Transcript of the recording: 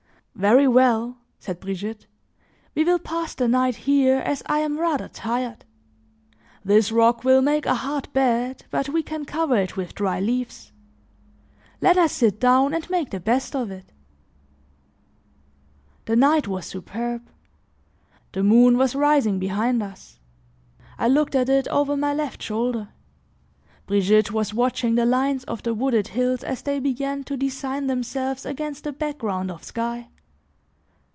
"Very well," said Brigitte, "we will pass the night here as I am rather tired. This rock will make a hard bed but we can cover it with dry leaves. Let us sit down and make the best of it." The night was superb; the moon was rising behind us; I looked at it over my left shoulder. Brigitte was watching the lines of the wooded hills as they began to design themselves against the background of sky.